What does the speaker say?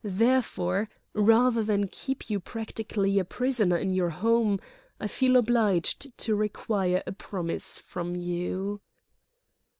Therefore, rather than keep you practically a prisoner in your home, I feel obliged to require a promise of you."